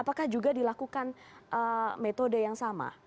apakah juga dilakukan metode yang sama